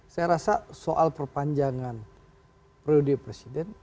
saya rasa soal perpanjangan periode presiden